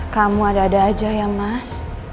kamu ada ada aja ya mas